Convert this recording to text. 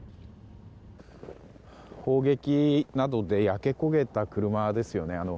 砲撃などで焼け焦げた車ですよね。